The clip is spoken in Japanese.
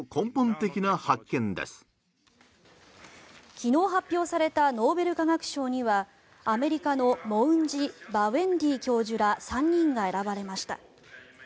昨日発表されたノーベル化学賞にはアメリカのモウンジ・バウェンディ教授ら３人が選ばれました。